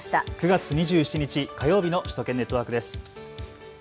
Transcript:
９月２７日火曜日の首都圏ネットワークです。